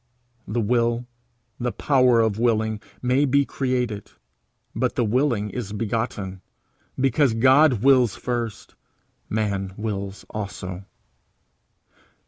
The will, the power of willing, may be created, but the willing is begotten. Because God wills first, man wills also.